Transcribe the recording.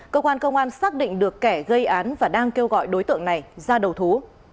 cơ quan công an xác định được kẻ gây án và đang kêu gọi đối tượng này ra đầu thú